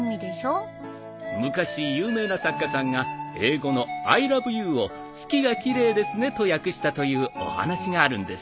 昔有名な作家さんが英語の「アイラブユー」を「月が奇麗ですね」と訳したというお話があるんです。